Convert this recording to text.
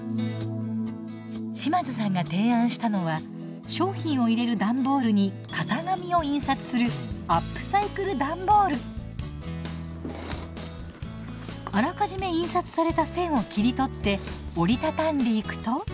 島津さんが提案したのは商品を入れる段ボールに型紙を印刷するあらかじめ印刷された線を切り取って折り畳んでいくと。